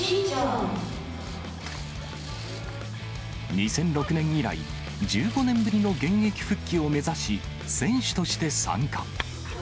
２００６年以来、１５年ぶりの現役復帰を目指し、選手として参加。